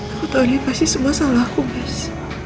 aku tahu ini pasti semua salahku mas